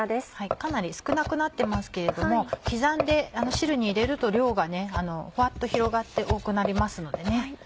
かなり少なくなってますけれども刻んで汁に入れると量がふわっと広がって多くなりますのでね。